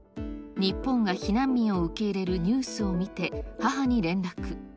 日本が避難民を受け入れるニュースを見て、母に連絡。